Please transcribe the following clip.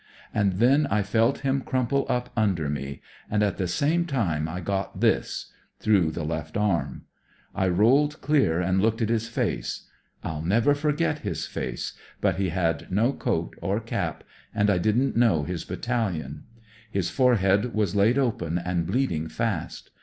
And then I felt him crumple up under me, and at the same time I got— this; through the 84 THfi DEVIL'S WOOD left arm. I roUed dear and looked at his face. 1*11 never forget his face, but he had no coat or cap, and I didn't know his battalion. His forehead was laid open and bleeding fast.